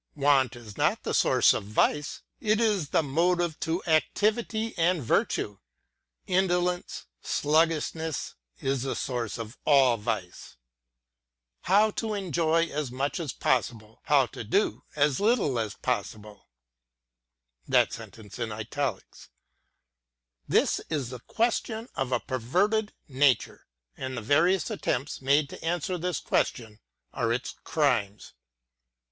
Want is not the source of Vice, — it is the motive to activity and virtue; indolence, sluggish ness, is the source of all Vice. How to enjoy as much as possible, — how to do as little as possible, — this is the ques tion of a perverted nature, and the various attempts made to answer this question are its crimes.